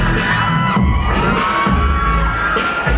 ไม่ต้องถามไม่ต้องถาม